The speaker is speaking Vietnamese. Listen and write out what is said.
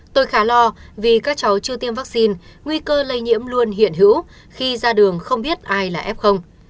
tôi khá lo vì các cháu chưa tiêm vaccine nguy cơ lây nhiễm luôn hiện hữu khi ra đường không biết ai là f